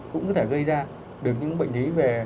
cũng có thể gây ra được những bệnh lý về